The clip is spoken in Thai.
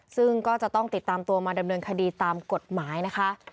ซึ่งก็จะต้องติดตามตัวมาดำเนินคดีตามกฎหมายนะคะ